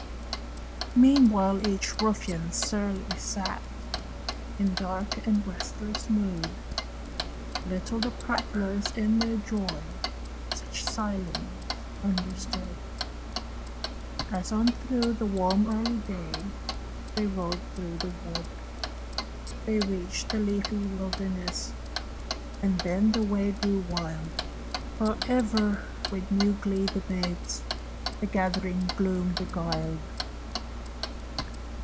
Meanwhile each ruffian surly sat, In dark and restless mood; Little the prattlers, in their joy, Such silence understood, As on through the warm early day They rode towards the wood. They reached the leafy wilderness, And then the way grew wild; But ever with new glee the babes The gathering gloom beguiled.